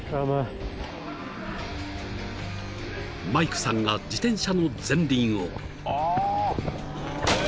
［マイクさんが自転車の前輪を］